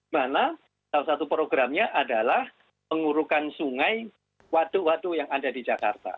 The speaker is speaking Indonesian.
mana salah satu programnya adalah pengurukan sungai waduk waduk yang ada di jakarta